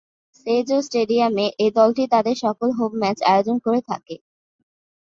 সেঁ-জঁ স্টেডিয়ামে এই দলটি তাদের সকল হোম ম্যাচ আয়োজন করে থাকে।